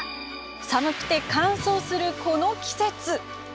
寒くて乾燥する、この季節。